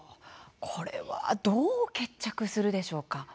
これはどう決着するでしょうか。